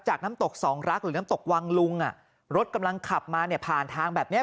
น้ำตกสองรักหรือน้ำตกวังลุงอ่ะรถกำลังขับมาเนี่ยผ่านทางแบบเนี้ย